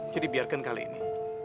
jadi biarkan kali ini